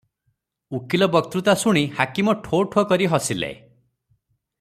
ଉକୀଲ ବକ୍ତୃତା ଶୁଣି ହାକିମ ଠୋ ଠୋ କରି ହସିଲେ ।